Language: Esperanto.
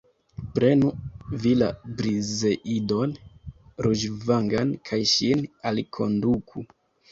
Prenu vi la Brizeidon ruĝvangan kaj ŝin alkonduku.